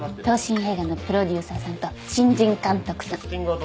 東進映画のプロデューサーさんと新人監督さん。